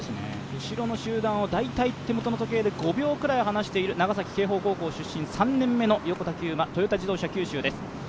後ろの集団は大体手元の時計で５秒ぐらい離している３年目の横田玖磨トヨタ自動車九州です。